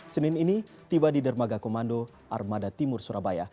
senin ini tiba di dermaga komando armada timur surabaya